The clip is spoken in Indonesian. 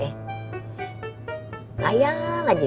tapi kan yang namanya berani andi itu gampang ya pak